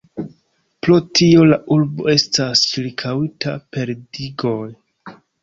Pro tio la urbo estas ĉirkaŭita per digoj.